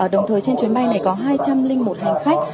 đồng thời trên chuyến bay này có hai trăm linh một hành khách